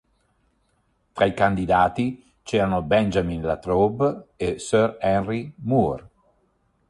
Tra i candidati c'erano Benjamin Latrobe e Sir Henry Moore.